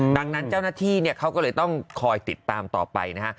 ดังนั้นเจ้าหน้าที่เขาก็เลยต้องคอยติดตามต่อไปนะฮะ